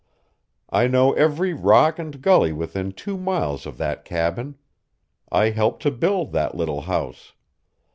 I know every rock and gully within two miles of that cabin. I helped to build that little house.